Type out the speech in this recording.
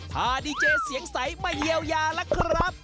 ถ้าดีเจเสียงใสมาเยียวยาล่ะครับ